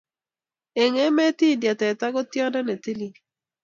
Eng emetab India, teta ko tyondo netilil